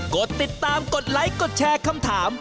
กดติดตามกดไลค์กดแชร์คำถาม